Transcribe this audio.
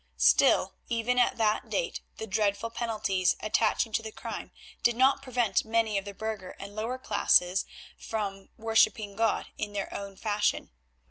Still even at that date the dreadful penalties attaching to the crime did not prevent many of the burgher and lower classes from worshipping God in their own fashion.